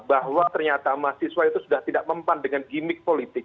bahwa ternyata mahasiswa itu sudah tidak mempan dengan gimmick politik